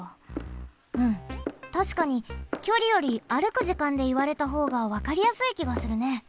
うんたしかにきょりより歩く時間でいわれたほうがわかりやすいきがするね。